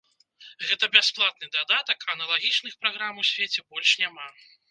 Гэта бясплатны дадатак, аналагічных праграм у свеце больш няма.